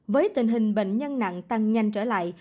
với tình hình bệnh nhân nặng tăng nhanh trở lại